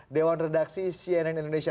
dewan redaksi cnn indonesia